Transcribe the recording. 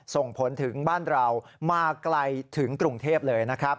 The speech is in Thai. ส่งผลถึงบ้านเรามาไกลถึงกรุงเทพเลยนะครับ